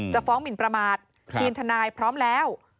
ฟ้องหมินประมาททีมทนายพร้อมแล้ว